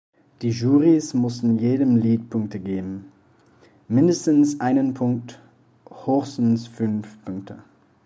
Die Jurys mussten jedem Lied Punkte geben: mindestens einen Punkt, höchstens fünf Punkte.